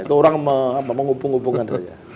itu orang menghubung hubungan saja